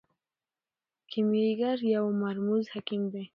کیمیاګر یو مرموز حکیم دی.